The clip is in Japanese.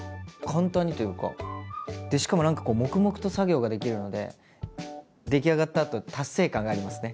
でしかも何か黙々と作業ができるので出来上がったあと達成感がありますね。